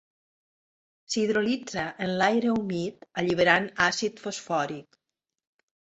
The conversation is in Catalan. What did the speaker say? S'hidrolitza en l'aire humit alliberant àcid fosfòric.